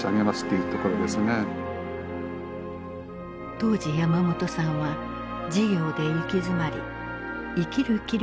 当時山本さんは事業で行き詰まり生きる気力を失いかけていた。